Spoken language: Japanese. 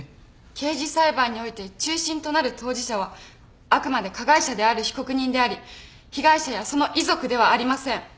刑事裁判において中心となる当事者はあくまで加害者である被告人であり被害者やその遺族ではありません。